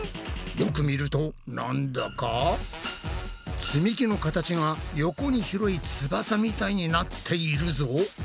よく見るとなんだか積み木の形が横に広い翼みたいになっているぞ。